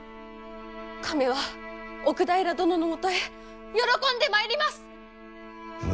亀は奥平殿のもとへ喜んで参ります！